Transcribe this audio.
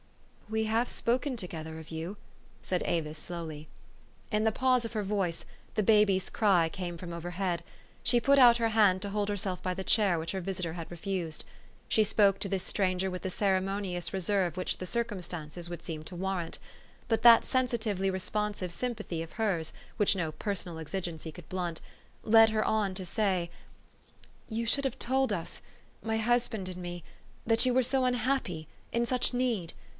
" We have spoken together of you," said Avis slowly. In the pause of her voice, the baby's cry came from overhead : she put out her hand to hold herself by the chair which her visitor had refused. She spoke to this stranger with the ceremonious re serve which the circumstances would seem to war rant ; but that sensitively responsive sympathy of hers, which no personal exigency could blunt, led her on to say, 1 ' You should have told us my husband and me that you were so unhappy, in such need.